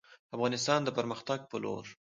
افغانستان د پرمختګ په لور